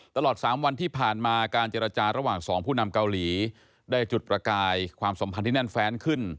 ตลอด๓วันที่ผ่านมาการเจรจาระหว่าง๒ผู้นำเกาหลีได้จุดประกายความสัมพันธ์ที่แน่นแฟนขึ้น